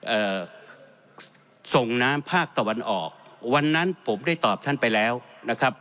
เอ่อส่งน้ำภาคตะวันออกวันนั้นผมได้ตอบท่านไปแล้วนะครับ